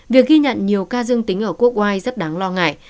việc ghi nhận nhiều ca dương tính ở quốc oai rất đáng lo ngại